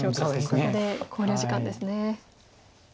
ここで考慮時間ですね。